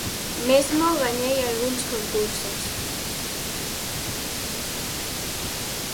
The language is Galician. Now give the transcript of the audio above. Mesmo gañei algúns concursos